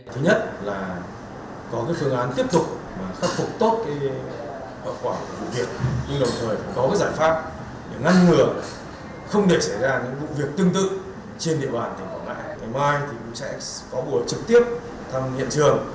không để xảy ra những vụ việc tương tự trên địa bàn tỉnh quảng ngãi ngày mai cũng sẽ có buổi trực tiếp thăm hiện trường